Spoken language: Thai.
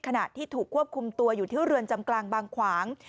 ขณะที่ถูกควบคุมตัวอยู่ที่เรือนจำกลางบางขวาง